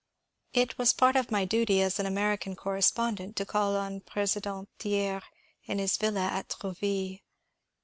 It was part of my duty as an American correspondent to call on President Thiers in his villa at Trouville.